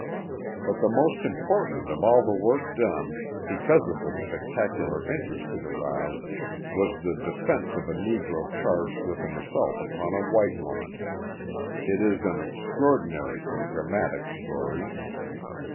But the most important of all the work done, because of the spectacular interest it aroused, was the defence of a Negro charged with an assault upon a white woman. It is an extraordinary and dramatic story.